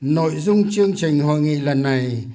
nội dung chương trình hội nghị lần này